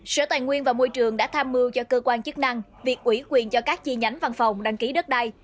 sở tài nguyên và môi trường đã tham mưu cho cơ quan chức năng việc ủy quyền cho các chi nhánh văn phòng đăng ký đất đai